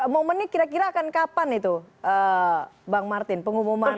momennya kira kira akan kapan itu bang martin pengumuman